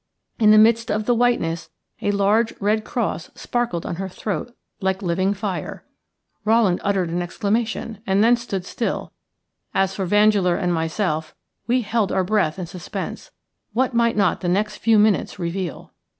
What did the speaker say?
In the midst of the whiteness a large red cross sparkled on her throat like living fire. Rowland uttered an exclamation and then stood still; as for Vandeleur and myself, we held our breath in suspense. What might not the next few minutes reveal?